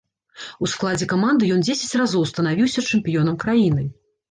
У складзе каманды ён дзесяць разоў станавіўся чэмпіёнам краіны.